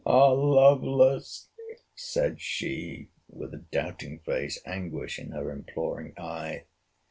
Ah! Lovelace! said she, with a doubting face; anguish in her imploring eye.